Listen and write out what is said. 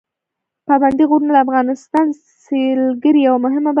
پابندي غرونه د افغانستان د سیلګرۍ یوه مهمه برخه ده.